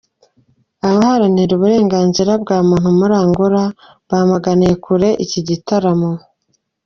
Abaharanira uburenganzira bwa muntu muri Angola bamaganiye kure iki gitaramo.